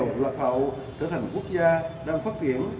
được lạc hậu trở thành một quốc gia đang phát biển